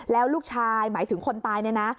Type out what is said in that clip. แล้วลูกชายหมายถึงคนตายนะ